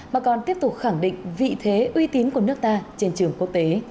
mà còn tiếp tục khẳng định vị thế uy tín của nước ta trên trường quốc tế